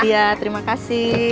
iya terima kasih